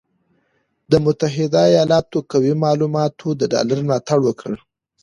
د متحده ایالاتو قوي معلوماتو د ډالر ملاتړ وکړ،